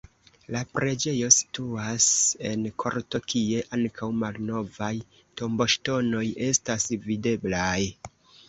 La preĝejo situas en korto, kie ankaŭ malnovaj tomboŝtonoj estas videblaj.